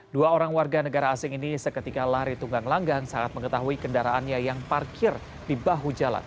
dua orang warga negara asing ini seketika lari tunggang langgan saat mengetahui kendaraannya yang parkir di bahu jalan